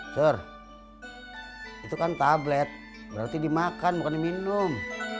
sor itu kan tablet berarti dimakan bukan diminum